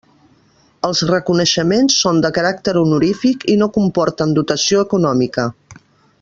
Els reconeixements són de caràcter honorífic i no comporten dotació econòmica.